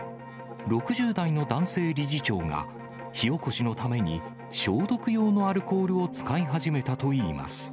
６０代の男性理事長が、火おこしのために消毒用のアルコールを使い始めたといいます。